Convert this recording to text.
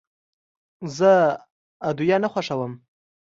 زه ادویه نه خوښوم.